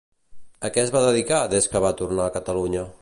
A què es va dedicar des que va tornar a Catalunya?